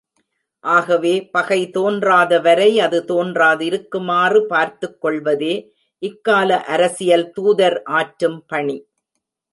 ஆகவே, பகை தோன்றாத வரை அது தோன்றாதிருக்குமாறு பார்த்துக்கொள்வதே இக்கால அரசியல் தூதர் ஆற்றும் பணி.